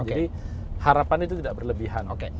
jadi harapan itu tidak berlebihan